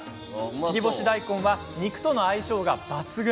切り干し大根は肉との相性が抜群。